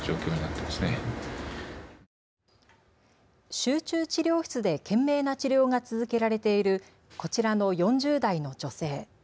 集中治療室で懸命な治療が続けられているこちらの４０代の女性。